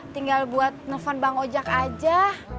tinggal buat nevan bang ojak aja